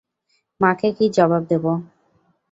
মাকে কি জবাব দেব?